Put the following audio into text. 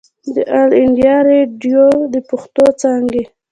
د آل انډيا ريډيو د پښتو څانګې